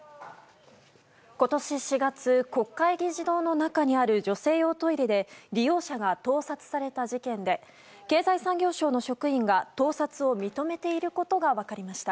今年４月国会議事堂の中にある女性用トイレで利用者が盗撮された事件で経済産業省の職員が盗撮を認めていることが分かりました。